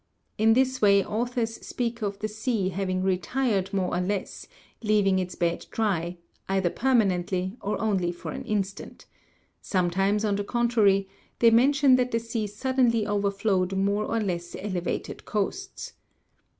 In this way authors speak of the sea having retired more or less, leav ing its bed dry, either permanently or only for an instant : some times, on the contrary, they mention that the sea suddenly over flowed more or less elevated coasts.